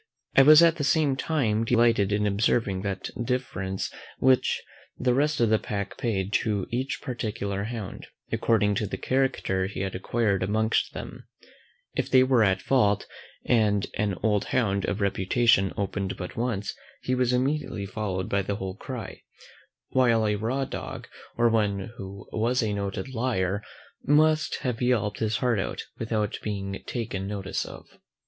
I was at the same time delighted in observing that deference which the rest of the pack paid to each particular hound, according to the character he had acquired amongst them: If they were at a fault, and an old hound of reputation opened but once, he was immediately followed by the whole cry; while a raw dog, or one who was a noted LIAR might have yelped his heart out, without being taken notice of.